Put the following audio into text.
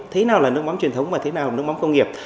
thế nào là nước mắm truyền thống và thế nào nước mắm công nghiệp